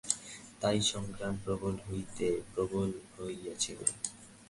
তাই সংগ্রাম প্রবল হইতে প্রবলতর হইয়াছিল।